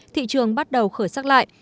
thị trường bắt đầu khởi sắc lại